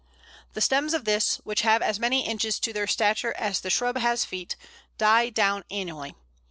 The stems of this, which have as many inches to their stature as the shrub has feet, die down annually.